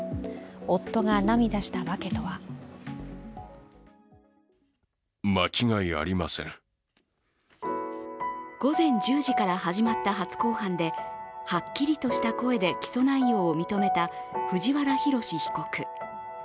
夫が涙した訳とは午前１０時から始まった初公判ではっきりとした声で起訴内容を認めた藤原宏被告